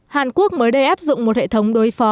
hàn quốc mới đây áp dụng một hệ thống đối phó